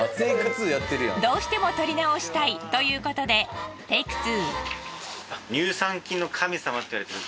どうしても撮り直したいということでＴＡＫＥ２。